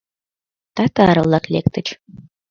Татар-влак лектыч.